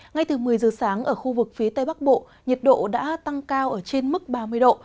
ngay từ một mươi giờ sáng ở khu vực phía tây bắc bộ nhiệt độ đã tăng cao ở trên mức ba mươi độ